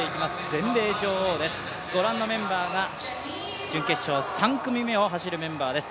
全米女王です、ご覧のメンバーが準決勝３組目を走るメンバーです。